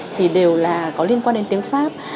thì đều là có liên quan đến tiếng pháp